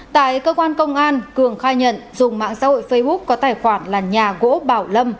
tại cơ quan công an cường khai nhận dùng mạng xã hội facebook có tài khoản là nhà gỗ bảo lâm